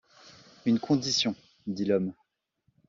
Une condition, dit l’homme.